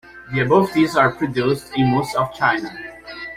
The above teas are produced in most of China.